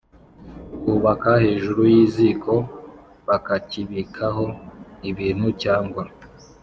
bubaka hejuru y’iziko bakakibikaho ibintu cyangwa